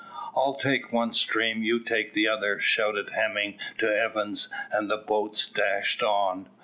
"I'll take one stream, you take the other," shouted Hemming to Evans; and the boats dashed on.